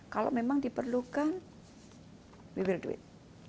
kalau memang diperlukan we will do it